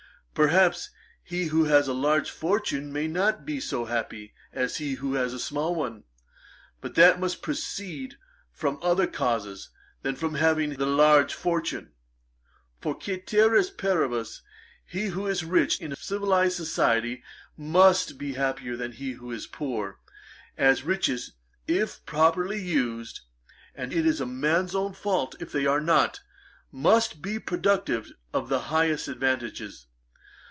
Perhaps he who has a large fortune may not be so happy as he who has a small one; but that must proceed from other causes than from his having the large fortune: for, caeteris paribus, he who is rich in a civilized society, must be happier than he who is poor; as riches, if properly used, (and it is a man's own fault if they are not,) must be productive of the highest advantages.